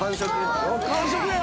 完食や！